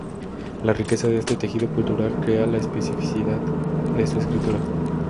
La riqueza de este tejido cultural crea le especificidad de su escritura.